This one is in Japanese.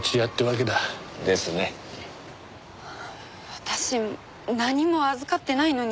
私何も預かってないのに。